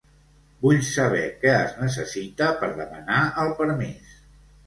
Vull saber què es necessita per demanar el permís.